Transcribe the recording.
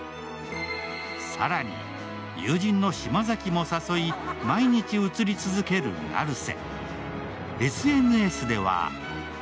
更に、友人の島崎も誘い、毎日映り続ける成瀬。